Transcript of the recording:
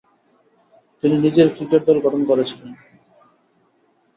তিনি নিজের ক্রিকেট দল গঠন করেছিলেন।